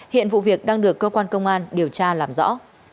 hiện vụ việc đang được cơ quan công an điều tra làm rõ